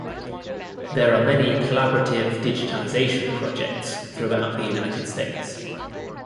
There are many collaborative digitization projects throughout the United States.